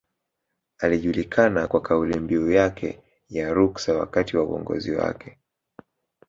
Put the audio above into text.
Alijulikana kwa kaulimbiu yake ya Ruksa wakati wa uongozi wake